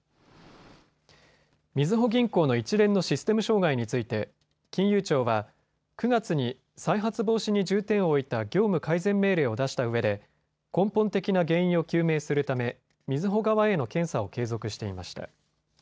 みずほ銀行の一連のシステム障害について金融庁は９月に再発防止に重点を置いた業務改善命令を出したうえで根本的な原因を究明するためみずほ側への検査を継続していました。